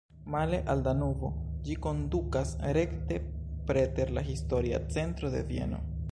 Male al Danubo, ĝi kondukas rekte preter la historia centro de Vieno.